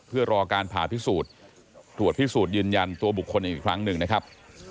เพื่อรอการผ่าพิสูจน์ตรวจพิสูจน์ยืนยันตัวบุคคลอีกครั้งหนึ่งนะครับ